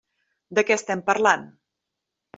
De què estem parlant?